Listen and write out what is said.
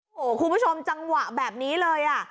โอ้โหคุณผู้ชมจังหวะแบบนี้เลย